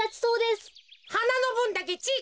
はなのぶんだけちぃ